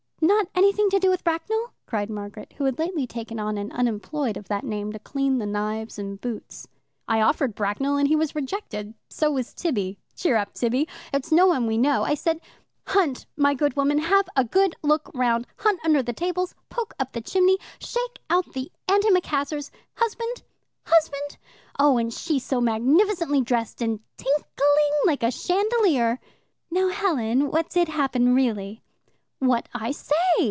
"Not anything to do with Bracknell?" cried Margaret, who had lately taken on an unemployed of that name to clean the knives and boots. "I offered Bracknell, and he was rejected. So was Tibby. (Cheer up, Tibby!) It's no one we know. I said, 'Hunt, my good woman; have a good look round, hunt under the tables, poke up the chimney, shake out the antimacassars. Husband? husband?' Oh, and she so magnificently dressed and tinkling like a chandelier." "Now, Helen, what did happen really?" "What I say.